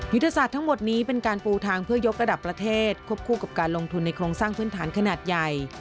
ยุทธศาสตร์ทั้งหมดนี้เป็นการปูทางเพื่อยกระดับประเทศควบคู่กับการลงทุนในโครงสร้างพื้นฐานขนาดใหญ่